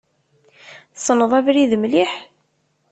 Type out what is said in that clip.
Tesneḍ abrid mliḥ?